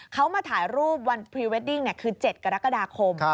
เขามาถ่ายรูปวันพรีเวดดิ้งคือ๗กรกฎาคม